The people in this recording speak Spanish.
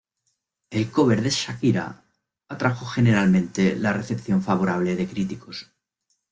El cover de Shakira atrajo generalmente la recepción favorable de críticos.